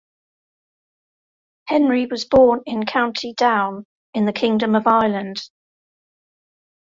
Henry was born in County Down in the Kingdom of Ireland.